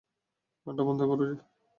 গানটা বন্ধ কর রে!